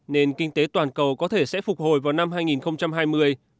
nền kinh tế toàn cầu có thể sẽ phục hồi vào năm hai nghìn hai mươi